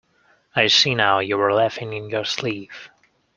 I see now you were laughing in your sleeve.